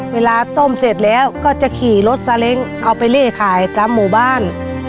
ต้มเสร็จแล้วก็จะขี่รถซาเล้งเอาไปเล่ขายตามหมู่บ้าน